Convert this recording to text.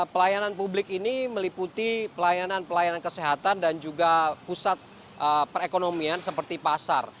pelayanan publik ini meliputi pelayanan pelayanan kesehatan dan juga pusat perekonomian seperti pasar